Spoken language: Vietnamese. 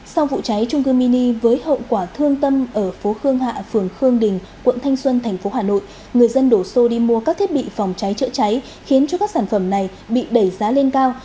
sau vụ trái trung cư mini với hậu quả thương tâm ở phố khương hạ phường khương đình quận thanh xuân tp hà nội người dân đổ xô đi mua các thiết bị phòng trái trợ trái khiến cho các sản phẩm này bị đẩy giá lên cao